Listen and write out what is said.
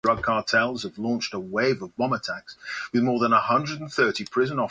The following are truth-functional tautologies.